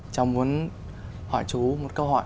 cháu muốn hỏi chú một câu hỏi